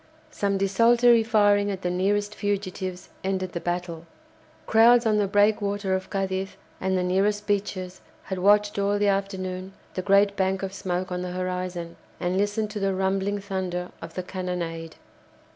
Some desultory firing at the nearest fugitives ended the battle. Crowds on the breakwater of Cadiz and the nearest beaches had watched all the afternoon the great bank of smoke on the horizon, and listened to the rumbling thunder of the cannonade.